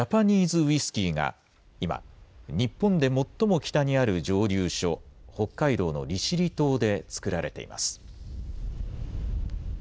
ウイスキーが今、日本で最も北にある蒸留所、北海道の利尻島で造られています。